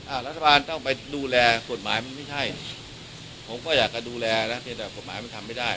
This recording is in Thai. รัฐบาลต้องไปดูแลกฎหมายมันไม่ใช่ผมก็อยากจะดูแลนะเพียงแต่กฎหมายมันทำไม่ได้